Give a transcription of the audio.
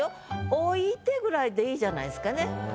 「置いて」ぐらいでいいじゃないですかね。